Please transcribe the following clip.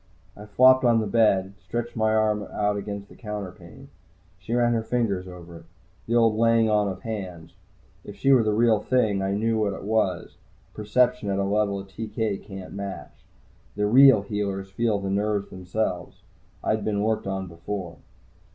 I flopped on the bed, stretched my arm out against the counterpane. She ran her fingers over it the old "laying on of hands." If she were the real thing, I knew what it was perception at a level a TK can't match. The real healers feel the nerves themselves. I'd been worked on before.